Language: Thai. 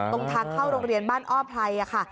ตรงทางเข้าโรงเรียนบ้านอ้อไพรค่ะ